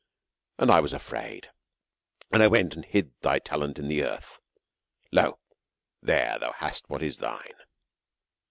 And Izvas afraid, and went and hid thi/ talent in the earth, Lo there thou hast that is thine.